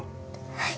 はい。